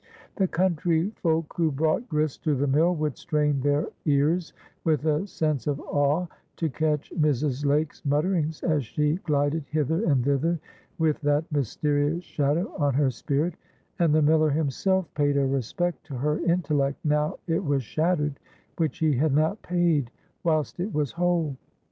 The country folk who brought grist to the mill would strain their ears with a sense of awe to catch Mrs. Lake's mutterings as she glided hither and thither with that mysterious shadow on her spirit, and the miller himself paid a respect to her intellect now it was shattered which he had not paid whilst it was whole.